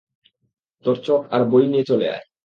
তোর চক আর বই নিয়ে চলে আয়।